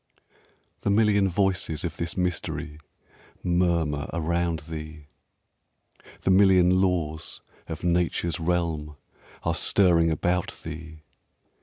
The million voices of this mystery Murmur around thee, The million laws of nature's realm Are stirring about thee.